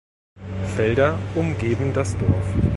Felder umgeben das Dorf.